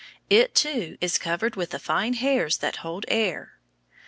It, too, is covered with fine hairs that hold air.